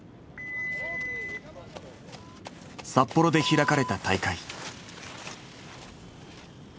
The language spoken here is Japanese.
札幌で開かれた大会。